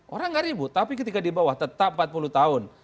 orang tidak ribut tapi ketika di bawah tetap empat puluh tahun